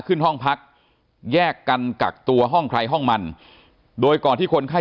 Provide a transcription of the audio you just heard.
ขึ้นห้องพักแยกกันกักตัวห้องใครห้องมันโดยก่อนที่คนไข้